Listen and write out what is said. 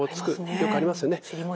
よくありますよね。